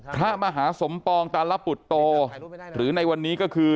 พระมหาสมปองตาลปุตโตหรือในวันนี้ก็คือ